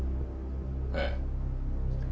ええ。